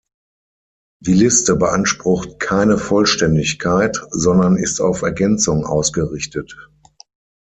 Die Liste beansprucht keine Vollständigkeit, sondern ist auf Ergänzung ausgerichtet.